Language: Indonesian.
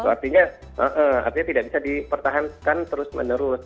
artinya tidak bisa dipertahankan terus menerus